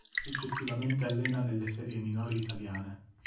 Successivamente allena nelle serie minori italiane.